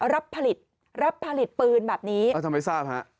รับผลิตรับผลิตปืนแบบนี้ทำไมทราบฮะ